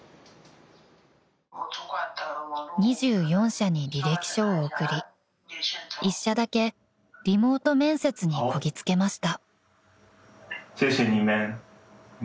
［２４社に履歴書を送り１社だけリモート面接にこぎ着けました］